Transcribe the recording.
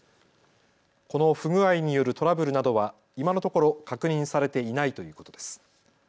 この不具合によるトラブルなどは今のところ確認されていないということです。